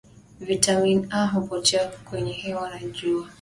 viatamini A hupotea kwenye hewa na jua